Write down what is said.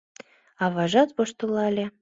— аважат воштылале.